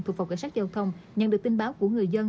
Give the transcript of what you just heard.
thuộc phòng cảnh sát giao thông nhận được tin báo của người dân